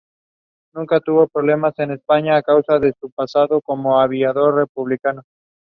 Her grandmother introduced her to swimming.